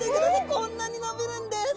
こんなに伸びるんです。